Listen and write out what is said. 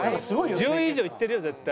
１０位以上いってるよ絶対。